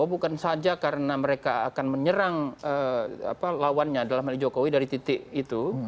bukan saja karena mereka akan menyerang lawannya adalah jokowi dari titik itu